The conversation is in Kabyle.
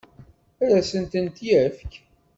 Ad asent-tent-yefk?